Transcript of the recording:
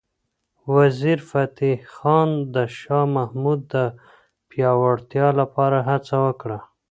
وزیرفتح خان د شاه محمود د پیاوړتیا لپاره هڅه وکړه.